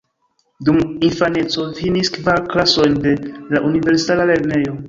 Dum infaneco finis kvar klasojn de la universala lernejo.